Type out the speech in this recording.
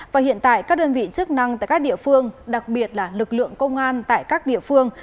và hiện tại các đơn vị chức năng tại các địa phương đặc biệt là lực lượng công an tại các địa phương